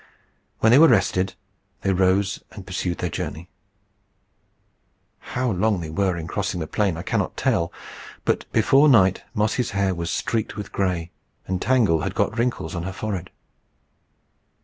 When they were rested they rose and pursued their journey. How long they were in crossing this plain I cannot tell; but before night Mossy's hair was streaked with gray, and Tangle had got wrinkles on her forehead.